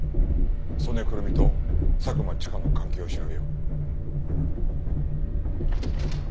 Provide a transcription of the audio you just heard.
曽根くるみと佐久間千佳の関係を調べよう。